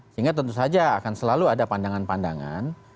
sehingga tentu saja akan selalu ada pandangan pandangan